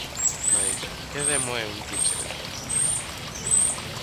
Mais, que demo é un tipster?